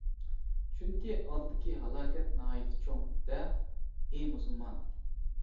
چۈنكى ئالدىدىكى ھالاكەت ناھايىتى چوڭ، دە. ئى مۇسۇلمان!